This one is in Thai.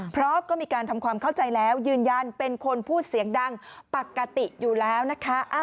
เพราะก็มีการทำความเข้าใจแล้วยืนยันเป็นคนพูดเสียงดังปกติอยู่แล้วนะคะ